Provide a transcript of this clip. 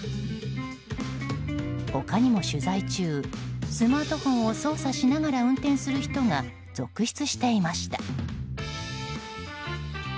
他にも、取材中スマートフォンを操作しながら運転する人が続出していました。